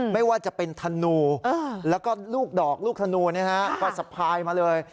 ไม่ว่าจะเป็นธนูแล้วก็ลูกดอกลูกธนูก็สะพายมาเลย